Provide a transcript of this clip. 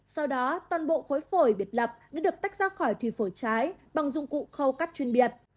sau đó toàn bộ khối phổi biệt lập đã được tách ra khỏi thủy phổi trái bằng dụng cụ khâu cắt chuyên biệt